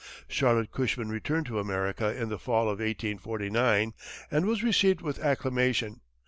Charlotte Cushman returned to America in the fall of 1849, and was received with acclamation.